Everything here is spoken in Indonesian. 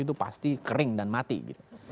itu pasti kering dan mati gitu